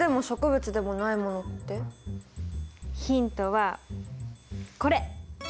ヒントはこれ。